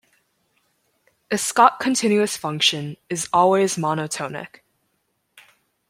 A Scott-continuous function is always monotonic.